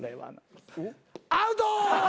アウトー！